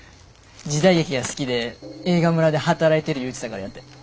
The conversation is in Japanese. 時代劇が好きで映画村で働いてる言うてたからやて。